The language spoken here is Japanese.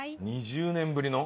２０年ぶりの？